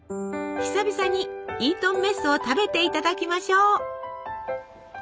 久々にイートンメスを食べていただきましょう！